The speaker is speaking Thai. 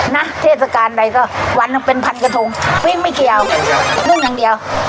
เทศกาลใดก็วันหนึ่งเป็นพันกระทงปิ้งไม่เกี่ยวนึ่งอย่างเดียว